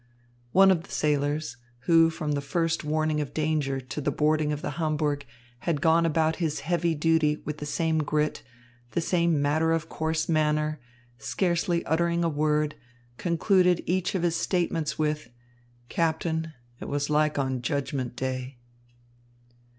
One of the sailors, who from the first warning of danger to the boarding of the Hamburg, had gone about his heavy duty with the same grit, the same matter of course manner, scarcely uttering a word, concluded each of his statements with: "Captain, it was like on Judgment Day."